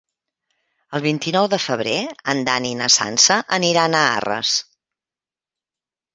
El vint-i-nou de febrer en Dan i na Sança aniran a Arres.